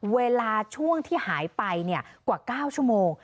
เวลาช่วงที่หายไปกว่า๙ชั่วโมง